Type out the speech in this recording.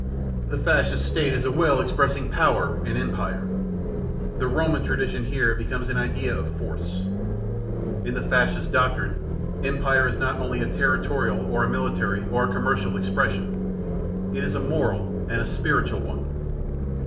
The Fascist State is a will expressing power and empire. The Roman tradition here becomes an idea of force. In the Fascist doctrine, empire is not only a territorial or a military, or a commercial expression: it is a moral and a spiritual one.